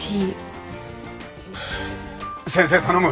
先生頼む。